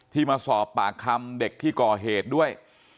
ที่มาสอบปากคำเด็กที่ก่อเหตุด้วย